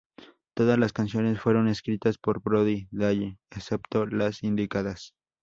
Todas las canciones fueron escritas por Brody Dalle excepto las indicadas.